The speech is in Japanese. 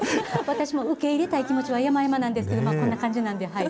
私も受け入れたい気持ちはやまやまなんですけれども、こんな感じなんで。